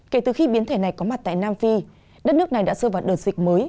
kể từ khi biến thể này có mặt tại nam phi đất nước này đã rơi vào đợt dịch mới